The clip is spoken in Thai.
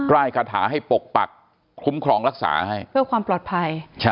่ายคาถาให้ปกปักคุ้มครองรักษาให้เพื่อความปลอดภัย